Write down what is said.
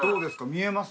見えます？